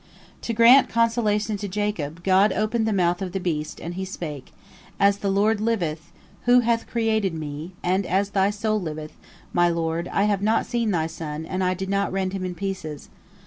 To grant consolation to Jacob, God opened the mouth of the beast, and he spake: "As the Lord liveth, who hath created me, and as thy soul liveth, my lord, I have not seen thy son, and I did not rend him in pieces.